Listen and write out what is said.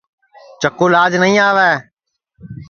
چکُو لاج نائی آوے